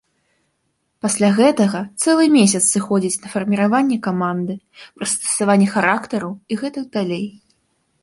Пасля гэтага цэлы месяц сыходзіць на фарміраванне каманды, прыстасаванне характараў і гэтак далей.